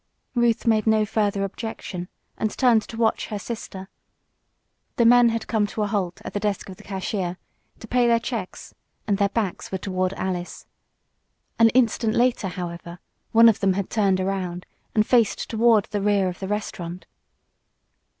Ruth made no further objection, and turned to watch her sister. The men had come to a halt at the desk of the cashier, to pay their checks, and their backs were toward Alice. An instant later, however, one of them had turned around and faced toward the rear of the restaurant.